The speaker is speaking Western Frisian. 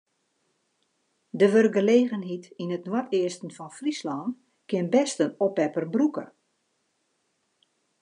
De wurkgelegenheid yn it noardeasten fan Fryslân kin bêst in oppepper brûke.